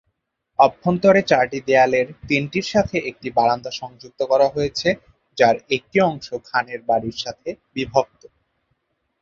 অভ্যন্তরে, চারটি দেয়ালের তিনটির সাথে একটি বারান্দা সংযুক্ত করা হয়েছে, যার একটি অংশ খানের বাড়ির সাথে বিভক্ত।